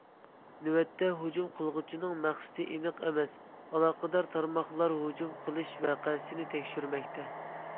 نۆۋەتتە، ھۇجۇم قىلغۇچىنىڭ مەقسىتى ئېنىق ئەمەس، ئالاقىدار تارماقلار ھۇجۇم قىلىش ۋەقەسىنى تەكشۈرمەكتە.